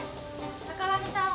坂上さん